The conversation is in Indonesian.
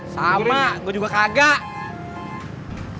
sama gua juga kagak